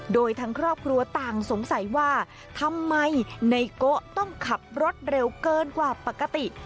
โดยทั้งครอบครัวต่างสงสัยว่าทำไมในโกะต้องขับรถเร็วเกินกว่าปกติ